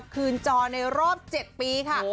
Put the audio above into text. คืนจอในรอบ๗ปีค่ะ